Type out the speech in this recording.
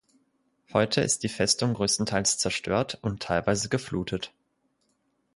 Heute ist die Festung größtenteils zerstört und teilweise geflutet.